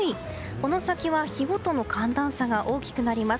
この先は日ごとの寒暖差が大きくなります。